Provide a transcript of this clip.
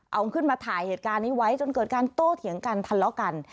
เอาขึ้นมาถ่ายเหตุการณ์นี้ไว้จนเกิดการโต้เถียงกันทะเลาะกัน